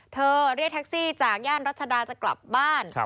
เรียกแท็กซี่จากย่านรัชดาจะกลับบ้าน